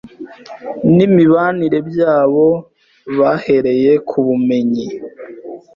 n’imibanire byabo bahereye ku bumenyi